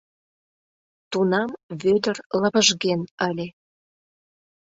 Тунам Вӧдыр лывыжген ыле.